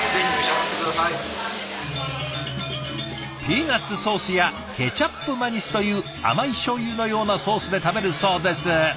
ピーナツソースやケチャップマニスという甘いしょうゆのようなソースで食べるそうです。